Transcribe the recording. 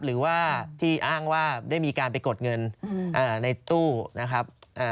หรือว่าที่อ้างว่าได้มีการไปกดเงินในตู้นะครับ